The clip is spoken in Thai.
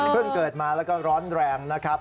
เกิดมาแล้วก็ร้อนแรงนะครับ